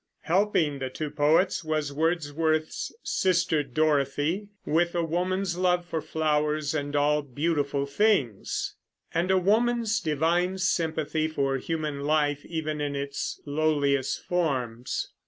Helping the two poets was Wordsworth's sister Dorothy, with a woman's love for flowers and all beautiful things; and a woman's divine sympathy for human life even in its lowliest forms.